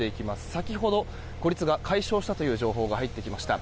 先ほど、孤立が解消したという情報が入ってきました。